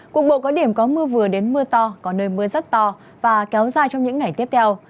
cục bộ có điểm có mưa vừa đến mưa to có nơi mưa rất to và kéo dài trong những ngày tiếp theo